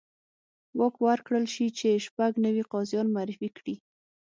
واک ورکړل شي چې شپږ نوي قاضیان معرفي کړي.